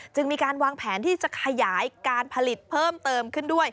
จึงมีการวางแผนที่จะขยายการผลิตเพิ่มเติมขึ้นด้วย